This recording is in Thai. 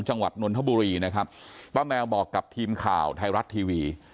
จังหวัดนวลธบุรีนะครับป้าแมวบอกกับทีมข่าวไทยรัสทีวี